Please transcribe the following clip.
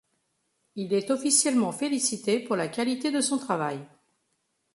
Il est officiellement félicité pour la qualité de son travail.